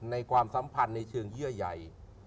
ความสัมพันธ์ในเชิงเยื่อใหญ่